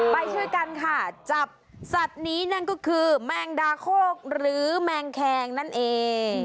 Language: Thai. ไปช่วยกันค่ะจับสัตว์นี้นั่นก็คือแมงดาโคกหรือแมงแคงนั่นเอง